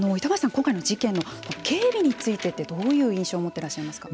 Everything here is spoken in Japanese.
今回の事件の警備についてどういう印象を持っていらっしゃいますか。